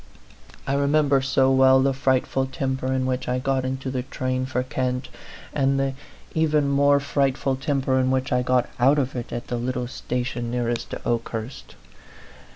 I re member so well the frightful temper in which I got into the train for Kent, and the even more frightful temper in which I got out of it at the little station nearest to Okehurst.